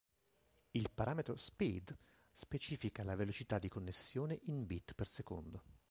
Il parametro "speed" specifica la velocità di connessione in bit per secondo.